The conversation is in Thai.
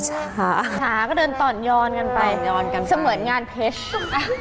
ช้าก็เดินตอนย้อนกันไปจะเหมือนงานเพชรหรือเปล่า